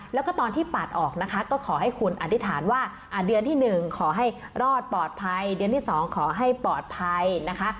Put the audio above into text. แล้วก็ตอนที่ปาดออกนะคะก็ขอให้คุณอธิษฐานว่าเดือนที่๑ขอให้รอดปลอดภัยเดือนที่๒ขอให้ปลอดภัยนะคะ